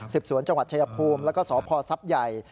สวนจังหวัดชายภูมิแล้วก็สพท์ใหญ่